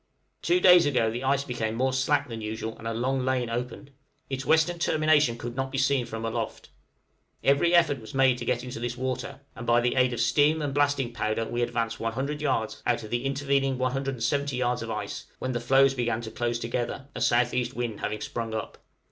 Two days ago the ice became more slack than usual, and a long lane opened; its western termination could not be seen from aloft. Every effort was made to get into this water, and by the aid of steam and blasting powder we advanced 100 yards out of the intervening 170 yards of ice, when the floes began to close together, a S.E. wind having sprung up.